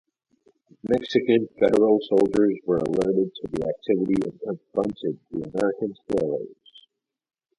Mexican federal soldiers were alerted to the activity and confronted the American sailors.